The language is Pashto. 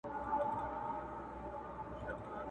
د طوطي بڼکي تویي سوې ګنجی سو،